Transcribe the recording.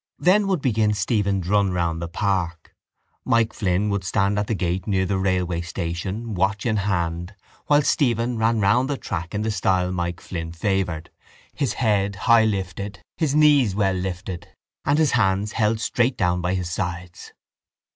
Then would begin Stephen's run round the park. Mike Flynn would stand at the gate near the railway station, watch in hand, while Stephen ran round the track in the style Mike Flynn favoured, his head high lifted, his knees well lifted and his hands held straight down by his sides.